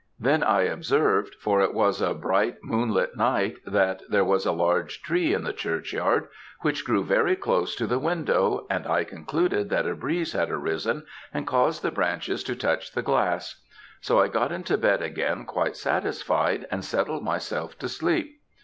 Then I observed, for if was a bright moonlight night, that there was a large tree in the churchyard, which grew very close to the window, and I concluded that a breeze had arisen, and caused the branches to touch the glass; so I got into bed again quite satisfied, and settled myself to sleep.